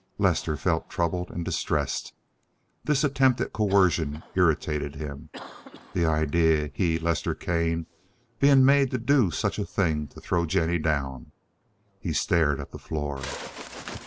Lester felt troubled and distressed; this attempt at coercion irritated him. The idea—he, Lester Kane, being made to do such a thing to throw Jennie down. He stared at the floor.